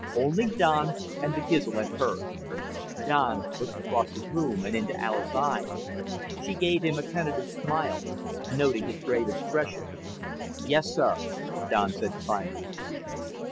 Only Don and the Gizl had heard. Don looked across the room and into Alis' eyes. She gave him a tentative smile, noting his grave expression. "Yes, sir," Don said finally.